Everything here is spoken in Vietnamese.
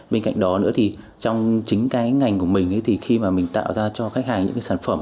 bên cạnh đó nữa thì trong chính cái ngành của mình thì khi mà mình tạo ra cho khách hàng những cái sản phẩm